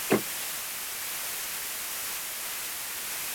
出身于爱知县蒲郡市五井町。